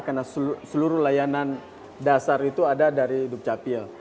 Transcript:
karena seluruh layanan dasar itu ada dari dukcapil